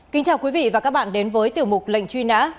kính chào quý vị và các bạn đến với tiểu mục lệnh truy nã